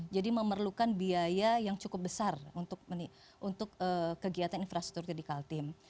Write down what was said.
jadi memerlukan biaya yang cukup besar untuk kegiatan infrastruktur di kaltim